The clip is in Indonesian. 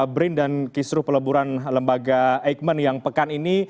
brin dan kisruh peleburan lembaga eijkman yang pekan ini